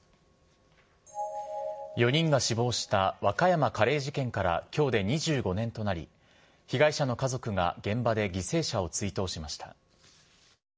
４人が死亡した和歌山カレー事件からきょうで２５年となり、被害者の家族が現場で犠牲者を追悼しました。